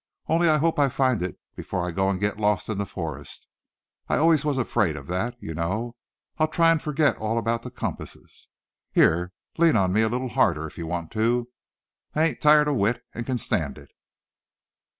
Only I hope I find it before I go and get lost in the forest. I always was afraid of that, you know. I'll try and forget all about compasses. Here, lean on me a little harder if you want to. I ain't tired a whit, and can stand it."